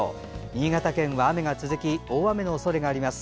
新潟県は雨が続き大雨のおそれがあります。